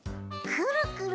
くるくる？